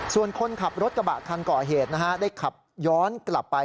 ส่วนคนขับรถกระบะคันก่อเหตุนะฮะได้ขับย้อนกลับไป